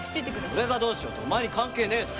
俺がどうしようとお前に関係ねえだろ！